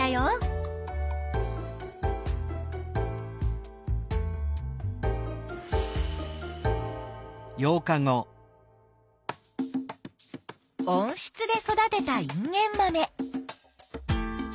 温室で育てたインゲンマメ。